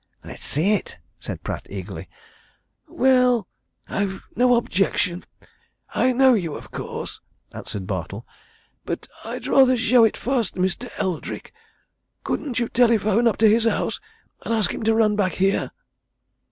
"Let's see it," said Pratt, eagerly. "Well I've no objection I know you, of course," answered Bartle, "but I'd rather show it first to Mr. Eldrick. Couldn't you telephone up to his house and ask him to run back here?"